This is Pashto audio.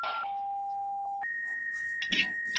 باکټریاوې عموماً په خوږو خوړو کې ژر وده کوي.